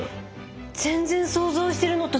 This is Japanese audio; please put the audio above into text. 全然想像してるのと違いました。